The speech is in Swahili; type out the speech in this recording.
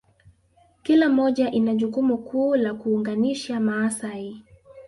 kila moja ina jukumu kuu la kuunganisha Maasai